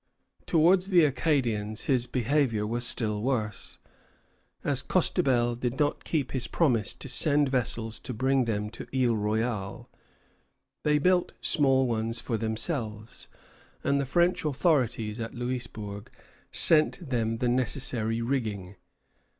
Towards the Acadians his behavior was still worse. As Costebelle did not keep his promise to send vessels to bring them to Isle Royale, they built small ones for themselves, and the French authorities at Louisbourg sent them the necessary rigging.